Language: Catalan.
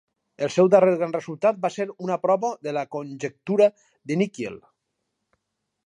El seu darrer gran resultat va ser una prova de la conjectura de Nikiel.